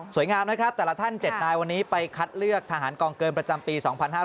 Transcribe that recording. งามนะครับแต่ละท่าน๗นายวันนี้ไปคัดเลือกทหารกองเกินประจำปี๒๕๕๙